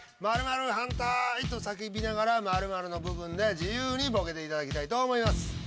○○反対！」と叫びながら○○の部分で自由にボケていただきたいと思います。